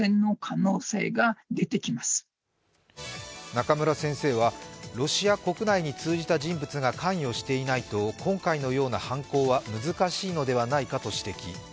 中村先生はロシア国内に通じた人物が関与していないと今回のような犯行は難しいのではないかと指摘。